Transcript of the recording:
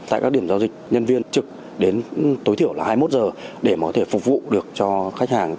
tại các điểm giao dịch nhân viên trực đến tối thiểu là hai mươi một giờ để có thể phục vụ được cho khách hàng